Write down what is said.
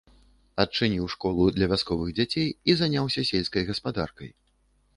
Адчыніў школу для вясковых дзяцей і заняўся сельскай гаспадаркай.